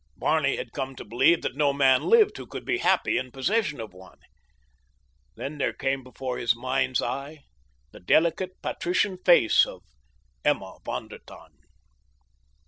Barney had come to believe that no man lived who could be happy in possession of one. Then there came before his mind's eye the delicate, patrician face of Emma von der Tann.